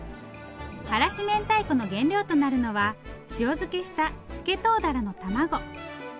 辛子明太子の原料となるのは塩漬けしたスケトウダラの卵。